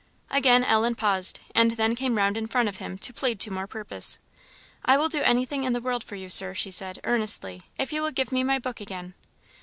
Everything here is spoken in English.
Again Ellen paused, and then came round in front of him to plead to more purpose. "I will do anything in the world for you, Sir," she said, earnestly, "if you will give me my book again."